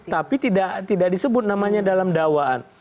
tapi tidak disebut namanya dalam dakwaan